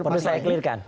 perlu saya clear kan